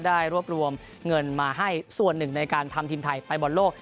ได้รวบรวมเงินมาให้ส่วนหนึ่งในการทำทีมไทยไปบอลโลก